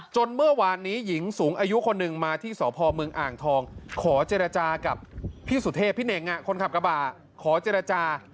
เมื่อวานนี้หญิงสูงอายุคนหนึ่งมาที่สพเมืองอ่างทองขอเจรจากับพี่สุเทพพี่เน่งคนขับกระบะขอเจรจา